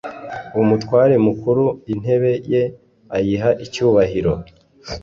umutware mukuru intebe ye ayiha icyubahiro